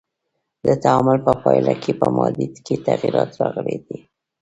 د تعامل په پایله کې په مادې کې تغیرات راغلی دی.